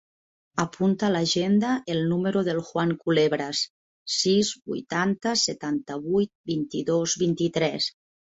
Apunta a l'agenda el número del Juan Culebras: sis, vuitanta, setanta-vuit, vint-i-dos, vint-i-tres.